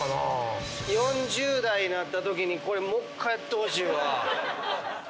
４０代になったときにこれもう１回やってほしいわ。